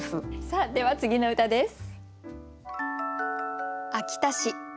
さあでは次の歌です。